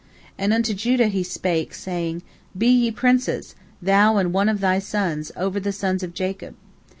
And unto Judah he spake, saying: "Be ye princes, thou and one of thy sons, over the sons of Jacob.